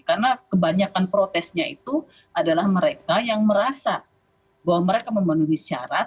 karena kebanyakan protesnya itu adalah mereka yang merasa bahwa mereka memenuhi syarat